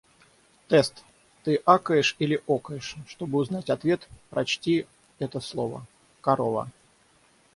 Тест: «Ты акаешь или окаешь?». Чтобы узнать ответ, прочти это слово: корова.